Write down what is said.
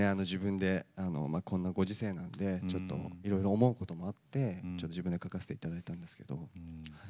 自分でこんなご時世なのでちょっといろいろ思うこともあって自分で書かせて頂いたんですけど。